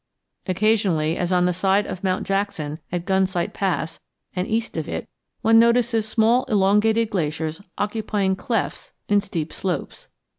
Occasionally, as on the side of Mount Jackson at Gunsight Pass and east of it, one notices small elongated glaciers occupying clefts in steep slopes.